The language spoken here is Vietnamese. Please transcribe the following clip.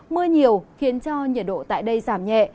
mưa nhiều khiến cho nhiệt độ tại đây giảm nhẹ